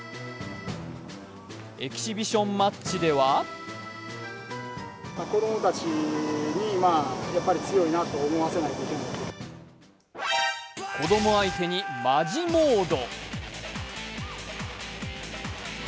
エキシビションマッチでは子供相手にマジモード。